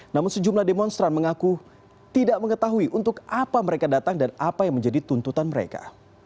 namun sejumlah demonstran mengaku tidak mengetahui untuk apa mereka datang dan apa yang menjadi tuntutan mereka